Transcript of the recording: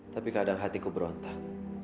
tapi kadang hatiku berontak